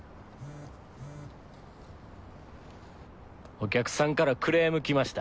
「お客さんからクレームきました。